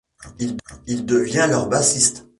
Il devient leur bassiste.